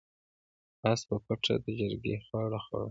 اس په پټه د چرګې خواړه خوړل.